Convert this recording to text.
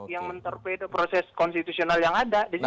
yang menterpeda proses konstitusional yang ada